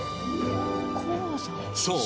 ［そう。